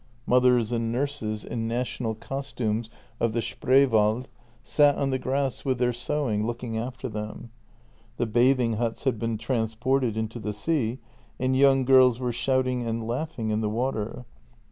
Mothers and nurses in national costumes of the Spreewald sat on the grass with their sewing, looking after them. The bathing huts had been transported into the sea, and young girls were shouting and laughing in the water.